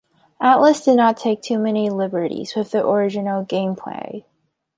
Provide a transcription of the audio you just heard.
Atlus did not take too many liberties with the original gameplay.